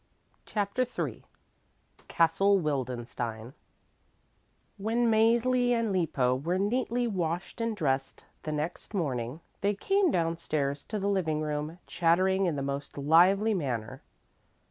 CHAPTER III CASTLE WILDENSTEIN When Mäzli and Lippo were neatly washed and dressed the next morning, they came downstairs to the living room chattering in the most lively manner.